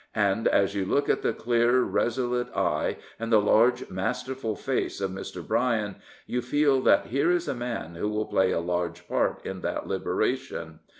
And as you look at the clear, resolute eye and the large, masterful face of Mr. Bryan, you feel that here is a man who will play a large part in that liberation.